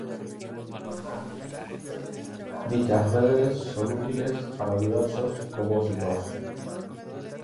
Dichas redes son útiles para diversos propósitos.